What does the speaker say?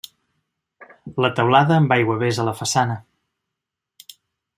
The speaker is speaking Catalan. La teulada amb aiguavés a la façana.